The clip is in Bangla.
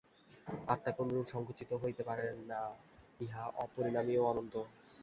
আত্মা কোনরূপে সঙ্কুচিত হইতে পারে না, ইহা অপরিণামী ও অনন্ত।